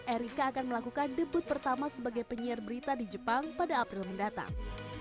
erika akan melakukan debut pertama sebagai penyiar berita di jepang pada april mendatang